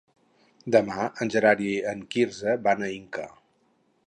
Demà en Gerard i en Quirze van a Inca.